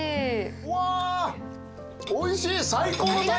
わおいしい。